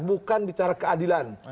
bukan bicara keadilan